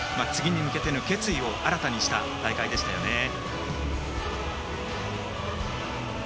次に向けての決意を新たにした大会でしたよね。